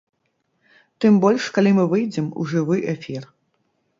Тым больш калі мы выйдзем у жывы эфір.